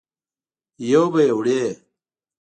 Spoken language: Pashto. یو به یې وړې.